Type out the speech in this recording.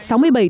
ông rick perry